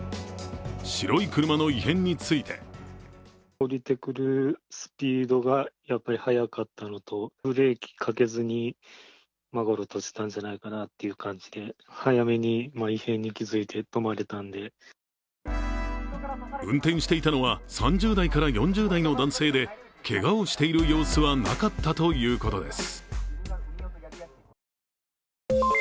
白い車の異変について運転していたのは３０代から４０代の男性で、けがをしている様子はなかったということです。